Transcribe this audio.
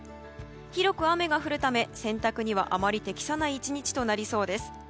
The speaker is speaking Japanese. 広く雨が降るため洗濯にはあまり適さない１日となりそうです。